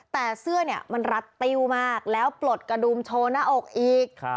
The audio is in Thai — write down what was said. แต่เสื้อเนี่ยมันรัดติ้วมากแล้วปลดกระดุมโชว์หน้าอกอีก